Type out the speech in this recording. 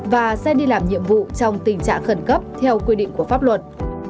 và xe đi làm nhiệm vụ trong tình trạng khẩn cấp theo quy định của pháp luật